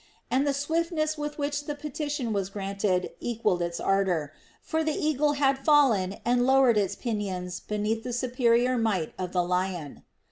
And the swiftness with which the petition was granted equalled its ardor; for the eagle had fallen and lowered its pinions beneath the superior might of the lion.